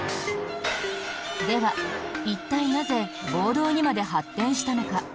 では、一体なぜ暴動にまで発展したのか。